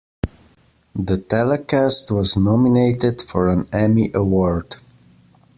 The telecast was nominated for an Emmy Award.